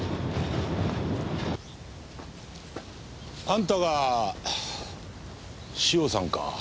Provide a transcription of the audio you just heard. あんたが塩さんか？